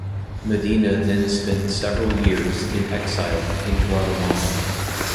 Medina then spent several years in exile in Guatemala.